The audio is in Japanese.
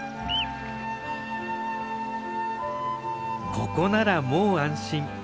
ここならもう安心。